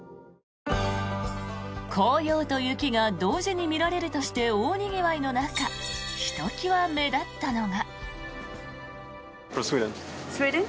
紅葉と雪が同時に見られるとして大にぎわいの中ひときわ目立ったのが。